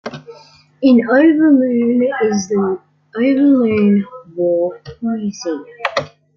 In Overloon is the Overloon War Museum.